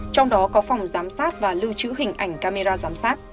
trong đó có phòng giám sát và lưu trữ hình ảnh camera giám sát